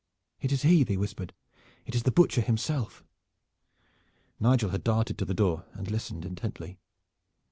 "It is he!" they whispered. "It is the Butcher himself!" Nigel had darted to the door and listened intently.